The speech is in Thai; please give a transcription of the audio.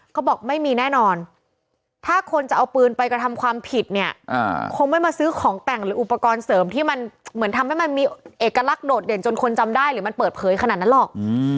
เขาบอกไม่มีแน่นอนถ้าคนจะเอาปืนไปกระทำความผิดเนี่ยคงไม่มาซื้อของแต่งหรืออุปกรณ์เสริมที่มันเหมือนทำให้มันมีเอกลักษณ์โดดเด่นจนคนจำได้หรือมันเปิดเผยขนาดนั้นหรอก